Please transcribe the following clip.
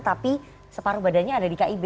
tapi separuh badannya ada di kib